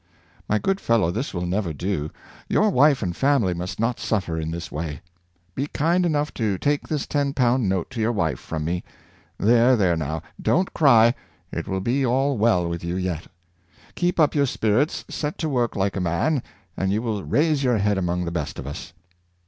^' My good fellow, this will never do; your wife and family must not suffer in this way; be kind enough to take this ten pound note to yo\xx wife from me ; there, there, now — don't cry, it will be all well with you yet; keep up your spirits, set to work like a man, and you will raise your head among the best of us.